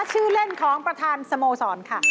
ชื่อเล่นของประธานสโมสรค่ะ